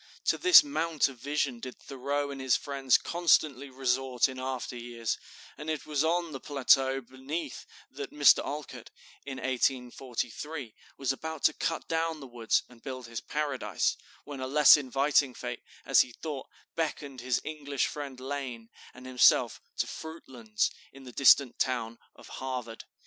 To this mount of vision did Thoreau and his friends constantly resort in after years, and it was on the plateau beneath that Mr. Alcott, in 1843, was about to cut down the woods and build his Paradise, when a less inviting fate, as he thought, beckoned his English friend Lane and himself to "Fruitlands," in the distant town of Harvard.